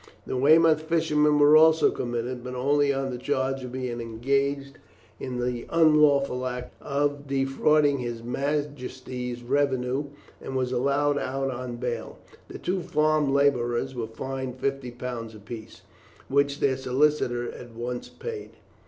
The Weymouth fisherman was also committed, but only on the charge of being engaged in the unlawful act of defrauding His Majesty's revenue, and was allowed out on bail. The two farm labourers were fined fifty pounds apiece, which their solicitor at once paid.